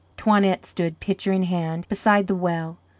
Toinette stood, pitcher in hand, beside the well.